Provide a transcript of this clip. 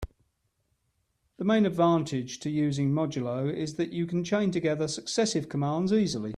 The main advantage to using modulo is that you can chain together successive commands easily.